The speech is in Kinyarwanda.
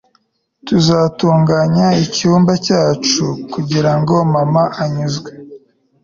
Tuzatunganya icyumba cyacu kugirango mama anyuzwe